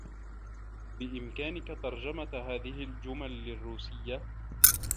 بإمكانك ترجمة هذه الجمل للرّوسيّة.